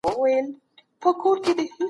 برسونه باید له یو بل سره ونه لګېږي.